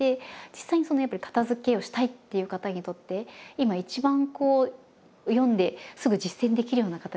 実際にやっぱり片づけをしたいっていう方にとって今一番読んですぐ実践できるような形で物語にしてみたんです。